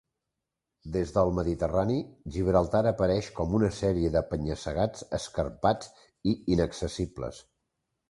Des del Mediterrani, Gibraltar apareix com una sèrie de penya-segats escarpats i inaccessibles.